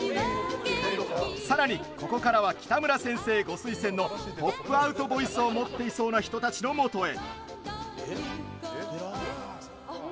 さらに、ここからは北村先生ご推薦のポップアウトボイスを持っていそうな人たちのもとへ。